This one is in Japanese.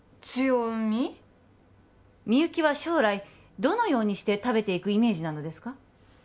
みゆきは将来どのようにして食べていくイメージなのですか？